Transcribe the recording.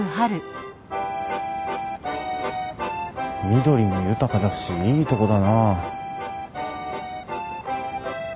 緑も豊かだしいいとこだなあ。